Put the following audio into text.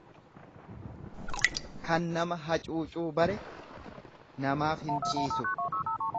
Kan nama hacuucuu bare namaaf hin ciisu.